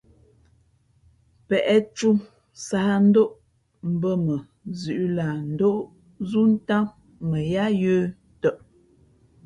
Pěʼtū sáhndóʼ mbᾱ mα zʉ̌ʼ lah ndóʼ zú ntām mα yāā yə̄ tαʼ.